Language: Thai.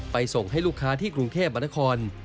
ไปส่งให้ลูกค้าที่กรุงแคบบรรทคอน